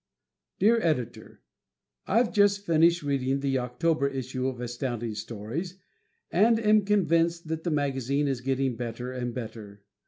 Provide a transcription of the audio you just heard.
_" Dear Editor: I've just finished reading the October issue of Astounding Stories and am convinced that the magazine is getting better and better.